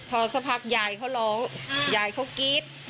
พอสักพักยายเขาร้องยายเขากรี๊ด